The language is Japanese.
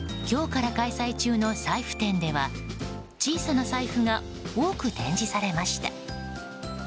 今日から開催中の財布展では小さな財布が多く展示されました。